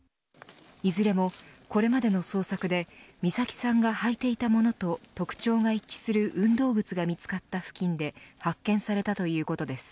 いずれも、これまでの捜索で美咲さんが履いていたものと特徴が一致する運動靴が見つかった付近で発見されたということです。